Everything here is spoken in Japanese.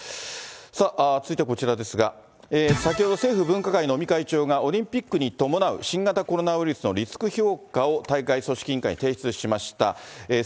さあ、続いてはこちらですが、先ほど、政府分科会の尾身会長が、オリンピックに伴う新型コロナウイルスの評価を大会組織委員会に提出しました。